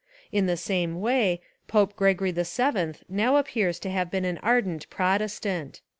In the same way, Pope Gregory VII now appears to have been an ar dent Protestant.